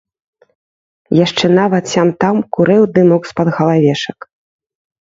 Яшчэ нават сям-там курэў дымок з-пад галавешак.